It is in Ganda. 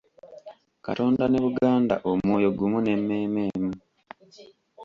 Katonda ne Buganda omwoyo gumu n'emmeeme emu.